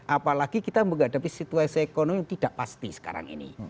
apalagi kita menghadapi situasi ekonomi yang tidak pasti sekarang ini